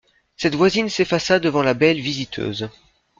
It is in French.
Cette voisine s'effaça devant la belle visiteuse.